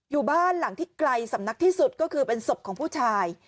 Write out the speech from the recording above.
อยู่บ้านหลังที่ไกลสำนักที่สุดก็คือเป็นศพของผู้ชาย